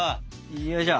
よいしょ！